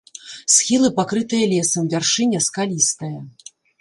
Схілы пакрытыя лесам, вяршыня скалістая.